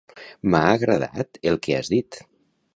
M'ha agradat el que has dit.